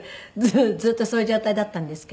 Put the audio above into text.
ずっとそういう状態だったんですけど。